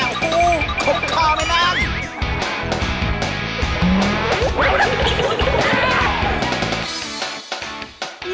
โอ้โหคบคอไหมนั่ง